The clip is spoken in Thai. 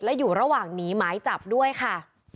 และอยู่ระหว่างหนีหมายจับด้วยค่ะ